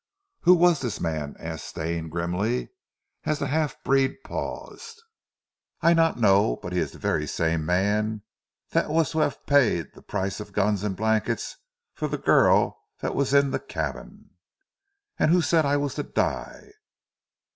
"Who was this man?" asked Stane grimly, as the half breed paused. "I not know; but he is zee ver' same man dat was to haf paid zee price of guns an' blankets for zee girl dat vos in zee cabin." "And who said I was to die?"